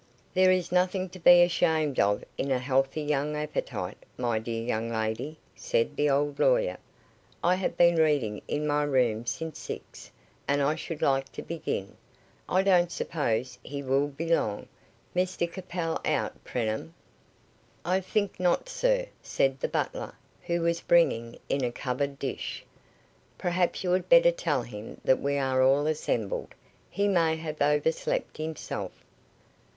"There is nothing to be ashamed of in a healthy young appetite, my dear young lady," said the old lawyer. "I have been reading in my room since six, and I should like to begin. I don't suppose he will be long. Mr Capel out, Preenham?" "I think not, sir," said the butler, who was bringing in a covered dish. "Perhaps you had better tell him that we are all assembled. He may have overslept himself."